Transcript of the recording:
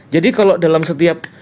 jadi kalau dalam setiap